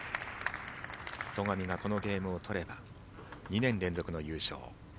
戸上がこのゲームを取れば２年連続の優勝。